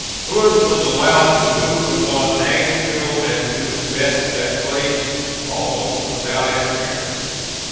Hood was allowed to move upon Nashville, and to invest that place almost without interference.